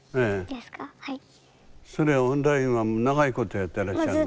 それはオンラインは長いことやってらっしゃるの？